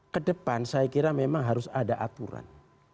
kedepan saya kira memang harus ada aturan